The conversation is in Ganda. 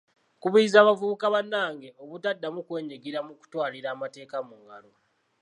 Nkubiriza bavubuka bannange obutaddamu kwenyigira mu kutwalira amateeka mu ngalo.